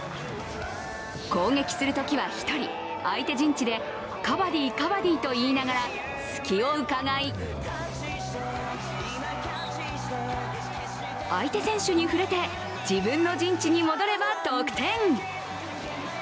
攻撃するときは１人、相手陣地で「カバディ、カバディ」と言いながら隙をうかがい相手選手に触れて、自分の陣地に戻れば得点。